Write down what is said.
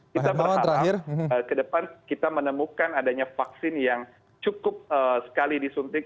kita berharap ke depan kita menemukan adanya vaksin yang cukup sekali disuntik